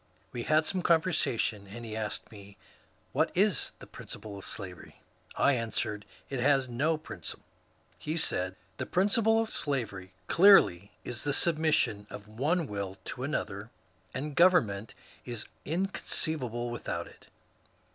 We had some conversation, and he asked me, *^ What is the principle of slavery ?" I answered, *^ It has no principle." He said, The principle of slavery clearly is the submission of one will to another, and government is incon ceivable without it."